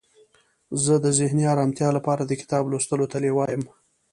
زه د ذهني آرامتیا لپاره د کتاب لوستلو ته لیواله یم.